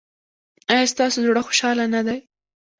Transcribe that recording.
ایا ستاسو زړه خوشحاله نه دی؟